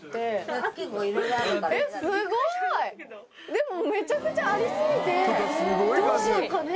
でもめちゃくちゃあり過ぎてどうしようかね。